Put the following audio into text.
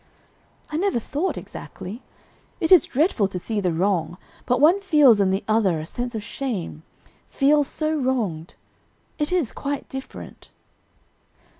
"I never thought exactly; it is dreadful to see the wrong, but one feels in the other a sense of shame feels so wronged it is quite different."